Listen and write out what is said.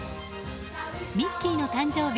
ミッキーの誕生日